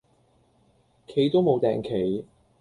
企都無碇企